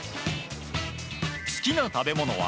好きな食べ物は？